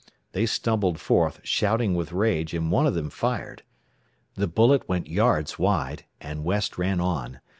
They stumbled forth, shouting with rage, and one of them fired. The bullet went yards wide, and West ran on.